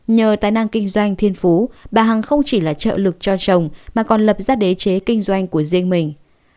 nhờ tài năng kinh doanh thiên phú bà hằng không chỉ là trợ lực cho chồng mà còn lập ra đế chế kinh doanh của riêng mình